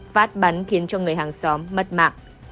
phát bắn khiến cho người hàng xóm mất mạng